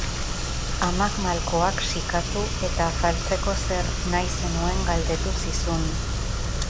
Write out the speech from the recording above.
Amak malkoak sikatu eta afaltzeko zer nahi zenuen galdetu zizun.